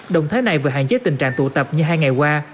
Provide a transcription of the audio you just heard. động thái này vừa hạn chế tình trạng tụ tập như hai ngày qua